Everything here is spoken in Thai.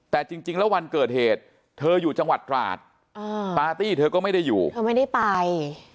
แต่จริงแล้ววันเกิดเหตุเธออยู่จังหวัดตราดปาร์ตี้เธอก็ไม่ได้อยู่เธอไม่ได้ไป